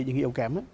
những cái yếu kém